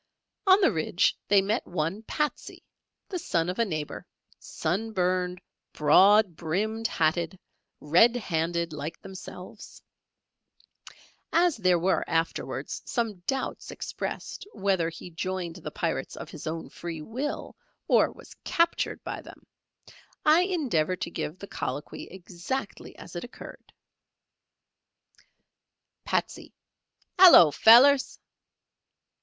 On the ridge they met one "Patsey," the son of a neighbour, sun burned, broad brimmed hatted, red handed, like themselves. As there were afterwards some doubts expressed whether he joined the Pirates of his own free will, or was captured by them, I endeavour to give the colloquy exactly as it occurred: Patsey. "Hallo, fellers."